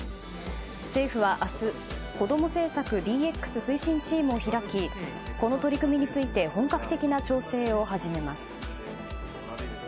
政府は明日こども政策ＤＸ推進チームを開きこの取り組みについて本格的な調整を始めます。